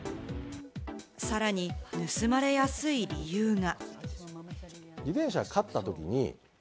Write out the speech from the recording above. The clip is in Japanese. さらに、盗まれやすい理由が。